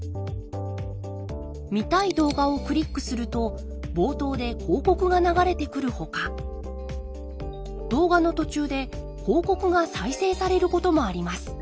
見たい動画をクリックすると冒頭で広告が流れてくるほか動画の途中で広告が再生されることもあります。